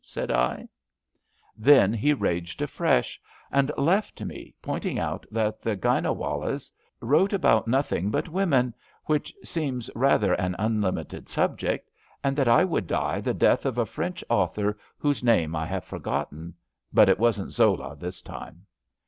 '^ said L Then he raged afresh, and left me, pointing out that the Gynewallahs wrote about nothing but women — ^which seems rather an unlimited subject — and that I would die the death of a French author whose name I have forgotten. But it wasn't Zola this time.